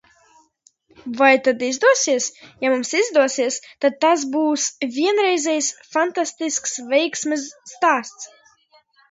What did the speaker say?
Vai tas izdosies? Ja mums izdosies – tad tas būs vienreizējs, fantastisks veiksmes stāsts.